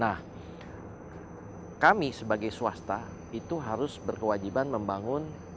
nah kami sebagai swasta itu harus berkewajiban membangun